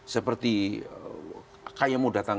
seperti kayak mau datang